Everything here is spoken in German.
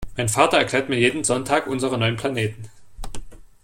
Mein Vater erklärt mir jeden Sonntag unsere neun Planeten.